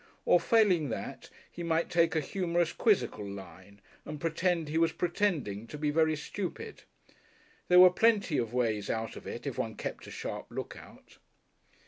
Or failing that he might take a humorous, quizzical line and pretend he was pretending to be very stupid. There were plenty of ways out of it if one kept a sharp lookout....